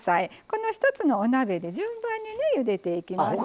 この一つのお鍋で順番にねゆでていきます。